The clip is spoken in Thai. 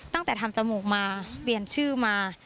ตั้งแต่ทำจมูกมาเปลี่ยนชื่อมา